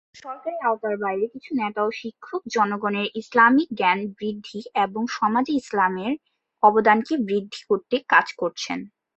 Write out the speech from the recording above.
সরকারি আওতার বাইরে কিছু নেতা ও শিক্ষক জনগনের ইসলামিক জ্ঞান বৃদ্ধি এবং সমাজে ইসলামের অবদানকে বৃদ্ধি করতে কাজ করছেন।